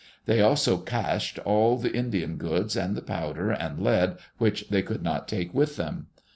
They also cached all the Indian goods, and the powder and lead which they could not take with them.